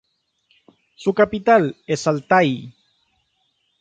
Su capital es Altay.